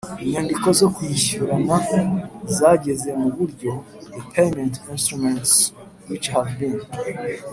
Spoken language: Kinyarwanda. Inyandiko zo kwishyurana zageze mu buryo The payment instruments which have been